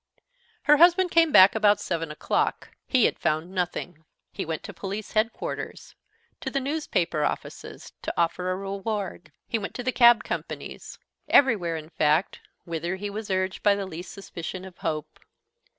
Her husband came back about seven o'clock. He had found nothing. He went to Police Headquarters, to the newspaper offices, to offer a reward; he went to the cab companies everywhere, in fact, whither he was urged by the least suspicion of hope.